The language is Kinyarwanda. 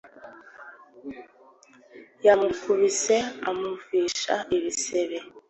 yamukubise amuvija ibisebe